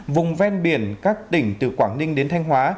vùng ven biển các tỉnh từ quảng ninh đến thanh hóa